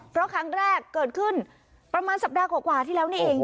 เพราะครั้งแรกเกิดขึ้นประมาณสัปดาห์กว่าที่แล้วนี่เอง